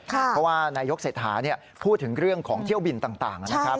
เพราะว่านายกเศรษฐาพูดถึงเรื่องของเที่ยวบินต่างนะครับ